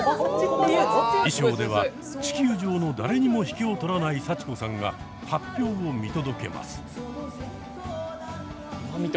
衣装では地球上の誰にも引けを取らない幸子さんが発表を見届けます。